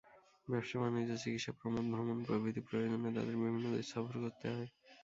ব্যবসা-বাণিজ্য, চিকিৎসা, প্রমোদ ভ্রমণ প্রভৃতি প্রয়োজনে তাদের বিভিন্ন দেশ সফর করতে হয়।